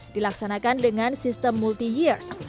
dilaksanakan dengan sistem multi years